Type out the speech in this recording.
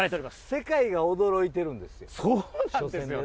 世界が驚いてるんですよ。